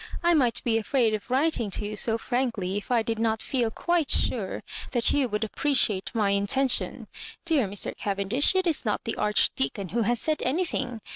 I might be afraid of writing to you so frankly, if I did not feel quite sure that you would appreciate my intention. Dear Mr. Cavendish, it is not the Archdeacon who has said anything.